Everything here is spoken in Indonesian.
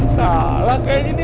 salah kayak gini